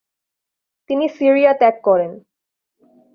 তিনি সিরিয়া ত্যাগ করেন।